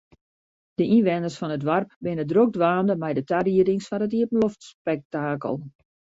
De ynwenners fan it doarp binne drok dwaande mei de tariedings foar it iepenloftspektakel.